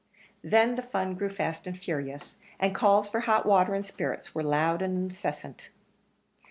Then the fun grew fast and furious, and calls for hot water and spirits were loud and incessant.